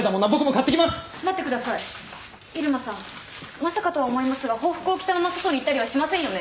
まさかとは思いますが法服を着たまま外に行ったりはしませんよね？